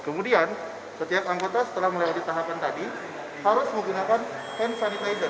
kemudian setiap anggota setelah melewati tahapan tadi harus menggunakan hand sanitizer